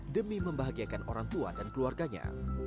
demi membahagiakan orang tua dan keluarganya